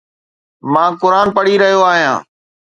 مان قرآن پڙهي رهيو آهيان.